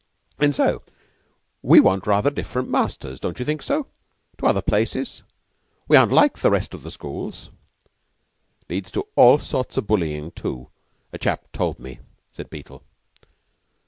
"And so we want rather different masters, don't you think so, to other places? We aren't like the rest of the schools." "It leads to all sorts of bullyin', too, a chap told me," said Beetle.